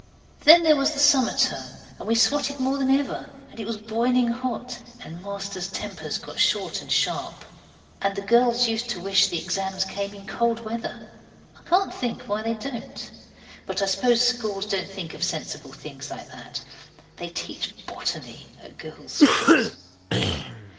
Then there was the summer term, and we swotted more than ever; and it was boiling hot, and masters' tempers got short and sharp, and the girls used to wish the exams came in cold weather. I can't think why they don't. But I suppose schools don't think of sensible thinks like that. They teach botany at girls' schools.